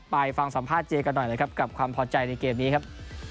ไปฟังสัมภาษณ์เจกันหน่อยนะครับกับความพอใจในเกมนี้ครับ